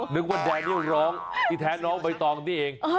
นึกว่าแดนีร้องแต่แดนพี่แทนร้องใบตลองนี่เอง